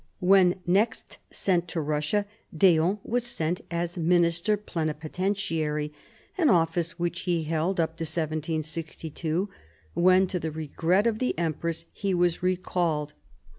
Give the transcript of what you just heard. When next sent to Russia, d'Eon was sent as minister plenipotentiary, an office which he held up to 1762 when to the regret of the Empress he was recalled.